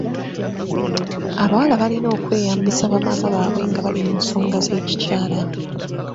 Abawala balina okweyabiza bamaama baabwe nga bali mu nsonga z'ekikyala.